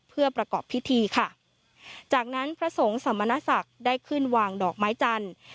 เพื่อประกอบพิธีค่ะจากนั้นพระสงฆ์สมณศักดิ์ได้ขึ้นวางดอกไม้จันทร์